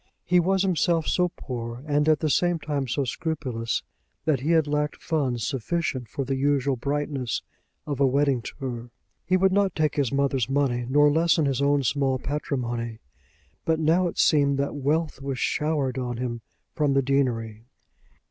He was himself so poor, and at the same time so scrupulous, that he had lacked funds sufficient for the usual brightness of a wedding tour. He would not take his mother's money, nor lessen his own small patrimony; but now it seemed that wealth was showered on him from the deanery.